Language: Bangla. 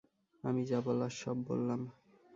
আমি যা বলার সব বললাম।